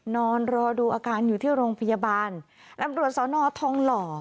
นอนรอดูอาการอยู่ที่โรงพยาบาลตำรวจสอนอทองหล่อ